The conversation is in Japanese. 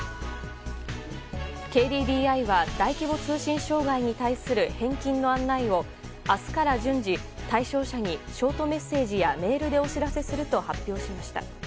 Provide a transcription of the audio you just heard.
ＫＤＤＩは大規模通信障害に対する返金の案内を明日から順次対象者にショートメッセージやメールでお知らせすると発表しました。